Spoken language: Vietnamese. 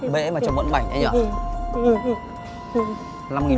bệ mà chồng vẫn bệnh thế nhỉ